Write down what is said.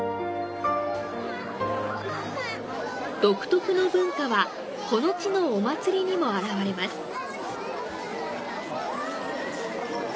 独特の文化は、この地のお祭りにも現れます。